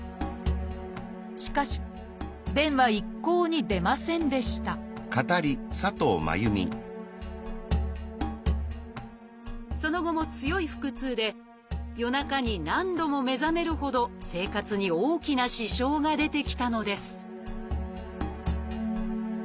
しかし便は一向に出ませんでしたその後も強い腹痛で夜中に何度も目覚めるほど生活に大きな支障が出てきたのです